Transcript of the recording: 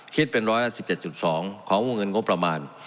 คิดเป็นร้อยละ๑๗๒ของวงเงินงบประมาณ